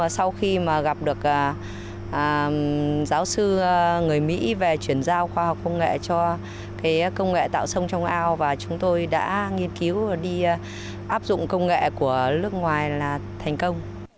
sau khi gặp được giáo sư người mỹ về chuyển giao khoa học công nghệ cho công nghệ tạo sông trong ao và chúng tôi đã nghiên cứu và đi áp dụng công nghệ của nước ngoài là thành công